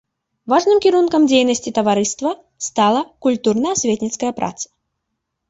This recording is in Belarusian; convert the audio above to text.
Важным кірункам дзейнасці таварыства стала культурна-асветніцкая праца.